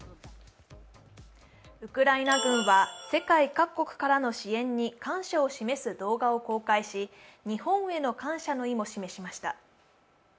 ウクライナ軍は世界各国からの支援に感謝を示す動画を公開し日本への感謝の意も示しました。